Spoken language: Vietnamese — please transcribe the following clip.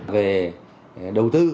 về đầu tư